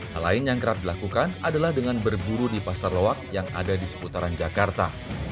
hal lain yang kerap dilakukan adalah dengan berburu di pasar loak yang ada di seputaran jakarta